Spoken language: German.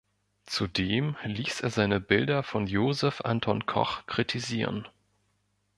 Zudem ließ er seine Bilder von Joseph Anton Koch kritisieren.